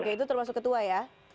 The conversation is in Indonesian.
oke itu termasuk ketua ya